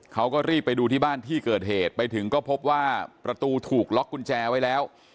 เขาก็รีบไปดูที่บ้านที่เกิดเหตุไปถึงก็พบว่าประตูถูกล็อกกุญแจไว้แล้ว